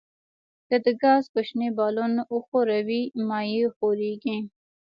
که د ګاز کوچنی بالون وښوروئ مایع ښوریږي.